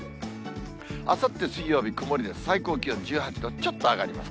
あさって水曜日、曇りで、最高気温１８度、ちょっと上がります。